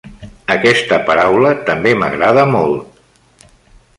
Aquesta paraula també m'agrada molt.